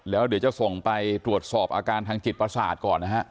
แล้วเดี๋ยวจะส่งไปตรวจสอบอาการทางจิตประสาทก่อนนะฮะ